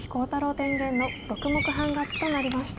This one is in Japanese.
天元の６目半勝ちとなりました。